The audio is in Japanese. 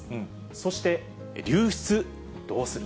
そして流出、どうする？